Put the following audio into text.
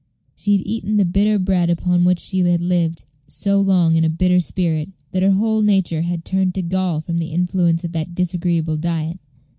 She had eaten the bitter bread upon which she had lived so long in a bitter spirit, that her whole nature had turned to gall from the influence of that disagreeable diet.